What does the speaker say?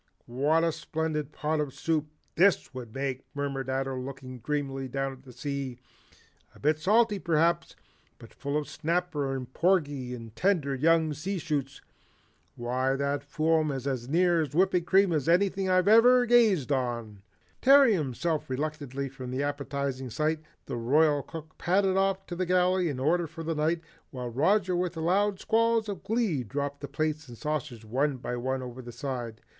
What a splendid pot of soup THIS would make," murmured Ato looking dreamily down at the sea, "a bit salty, perhaps, but full of snapper and porgy and tender young sea shoots. Why that foam's as near to whipping cream as anything I've ever gazed on." Tearing himself reluctantly from the appetizing sight, the Royal Cook padded off to put the galley in order for the night, while Roger with loud squalls of glee dropped the plates and saucers one by one over the side.